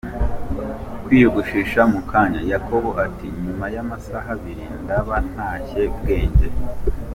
kwiyogoshesha mukanya? Yakobo ati nyuma y'amasaha abiri ndaba ntashye! Bwenge.